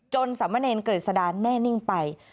จนสามเมินเอนเกริษดาแน่นิ่งไป